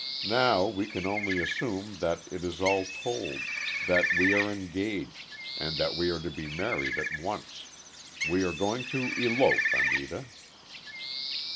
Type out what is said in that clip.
Now, we can only assume that it is all told, that we are engaged, and that we are to be married at once. We are going to elope, Anita."